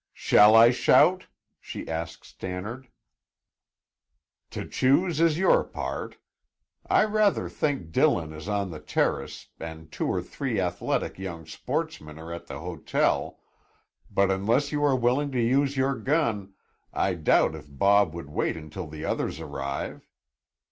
"Shall I shout?" she asked Stannard. "To choose is your part. I rather think Dillon is on the terrace and two or three athletic young sportsmen are at the hotel, but unless you are willing to use your gun, I doubt if Bob would wait until the others arrive.